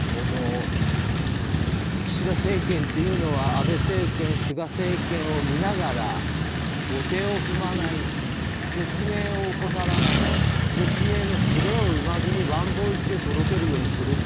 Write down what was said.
この岸田政権というのは安倍政権、菅政権を見ながら後手を踏まない説明を怠らない説明のずれを生まずにワンボイスで届けるようにする。